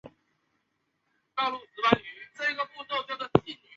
这说明这些条纹是比较新的。